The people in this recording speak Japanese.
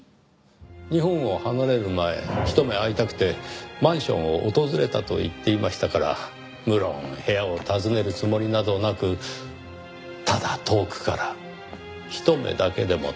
日本を離れる前ひと目会いたくてマンションを訪れたと言っていましたから無論部屋を訪ねるつもりなどなくただ遠くからひと目だけでもと。